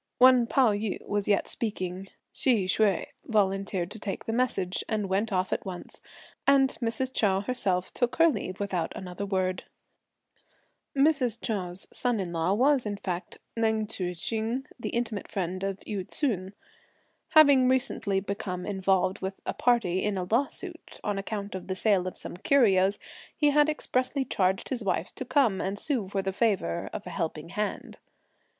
While Pao yü was yet speaking, Hsi Hsüeh volunteered to take the message, and went off at once; and Mrs. Chou herself took her leave without another word. Mrs. Chou's son in law was, in fact, Leng Tzu hsing, the intimate friend of Yü ts'un. Having recently become involved with some party in a lawsuit, on account of the sale of some curios, he had expressly charged his wife to come and sue for the favour (of a helping hand).